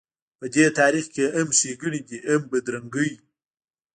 په دې تاریخ کې هم ښېګڼې دي هم بدرنګۍ.